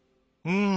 うん。